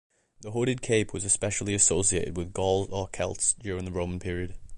The hooded cape was especially associated with Gauls or Celts during the Roman period.